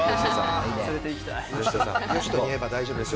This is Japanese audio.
この人に言えば大丈夫ですよ。